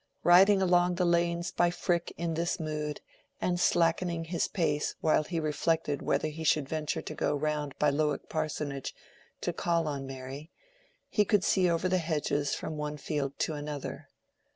Riding along the lanes by Frick in this mood, and slackening his pace while he reflected whether he should venture to go round by Lowick Parsonage to call on Mary, he could see over the hedges from one field to another.